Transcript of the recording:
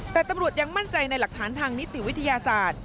แต่ตำรวจยังมั่นใจในหลักฐานทางนิติวิทยาศาสตร์